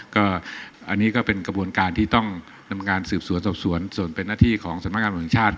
ก็อันนี้ก็เป็นกระบวนการที่ต้องนำงานสืบสวนสอบสวนส่วนเป็นหน้าที่ของสำนักงานตำรวจแห่งชาติ